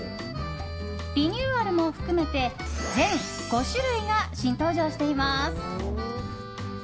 リニューアルも含めて全５種類が新登場しています。